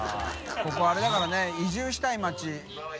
海あれだからね移住したい町。